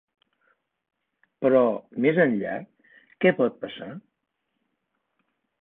Però més enllà, què pot passar?